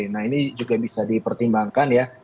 nah ini juga bisa dipertimbangkan ya